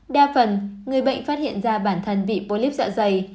đa phần người bệnh phát hiện ra bản thân bị bolip dạ dày